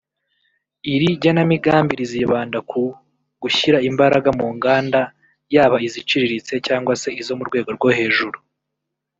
Iri genamigambi rizibanda ku gushyira imbaraga mu nganda yaba iziciriritse cyangwa se izo mu rwego rwo hejuru